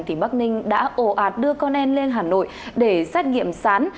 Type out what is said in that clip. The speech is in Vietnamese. thì bắc ninh đã ồ ạt đưa con em lên hà nội để xét nghiệm sán